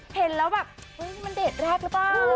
เห็นแล้วแบบเฮ้ยมันเดทแรกหรือเปล่า